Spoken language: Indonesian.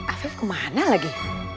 afif kemana lagi